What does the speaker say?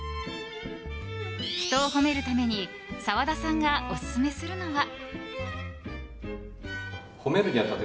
人を褒めるために澤田さんがオススメするのは。